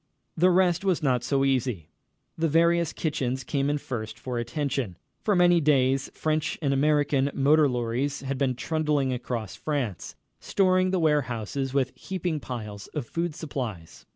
The rest was not so easy. The various kitchens came in first for attention. For many days French and American motor lorries had been trundling across France, storing the warehouses with heaping piles of food supplies.